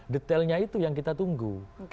detailnya itu yang kita tunggu